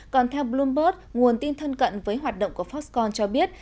còn theo bloomberg nguồn tin thân cận với hoạt động của foxcon cho biết